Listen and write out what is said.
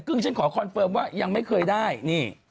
ซึ่งฉันขอคอนเฟิร์มว่ายังไม่เคยได้นี่